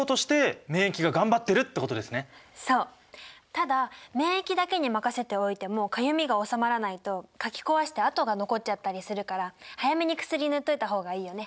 ただ免疫だけに任せておいてもかゆみが治まらないとかき壊して痕が残っちゃったりするから早めに薬塗っといた方がいいよね。